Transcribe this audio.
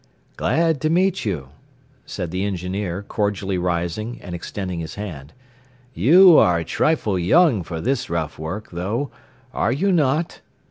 "Glad to meet you," said the engineer, cordially rising and extending his hand. "You are a trifle young for this rough work, though, are you not?"